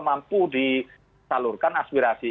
mampu disalurkan aspirasi